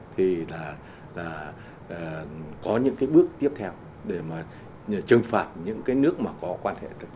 thì là có những cái bước tiếp theo để mà trừng phạt những cái nước mà có quan hệ